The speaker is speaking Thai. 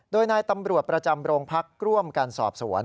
โดยนายตำรวจประจำโรงพักร่วมกันสอบสวน